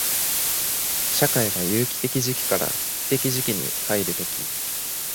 社会が有機的時期から危機的時期に入るとき、